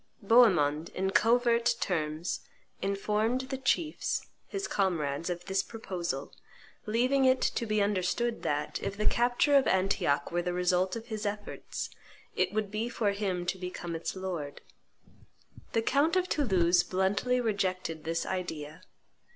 Bohemond, in covert terms, informed the chiefs, his comrades, of this proposal, leaving it to be understood that, if the capture of Antioch were the result of his efforts, it would be for him to become its lord. The count of Toulouse bluntly rejected this idea.